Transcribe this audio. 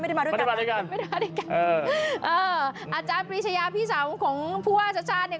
ไม่ได้มาด้วยกันไม่ได้มาด้วยกันเอออาจารย์พิชยาพี่สาวของผู้ว่าชาติเนี้ย